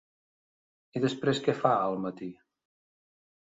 I després què fa, al matí?